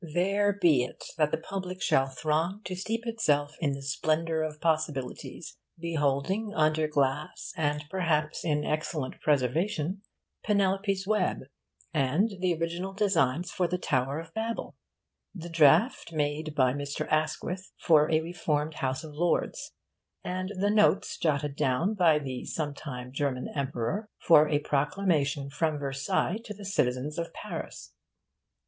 There be it that the public shall throng to steep itself in the splendour of possibilities, beholding, under glass, and perhaps in excellent preservation, Penelope's web and the original designs for the Tower of Babel, the draft made by Mr. Asquith for a reformed House of Lords and the notes jotted down by the sometime German Emperor for a proclamation from Versailles to the citizens of Paris.